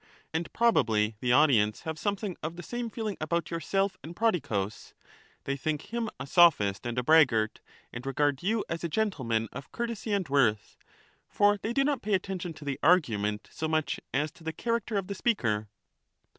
And probably the audience have something of the same feeling about yourself and Pro dicus ; they think him a Sophist and a braggart, and regard you as a gentleman of courtesy and worth. For they do not pay attention to the argument so much as to the character of the speaker.